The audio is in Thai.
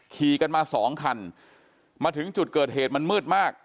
ขี่กันมาสองคันมาถึงจุดเกิดเหตุมันมืดมาก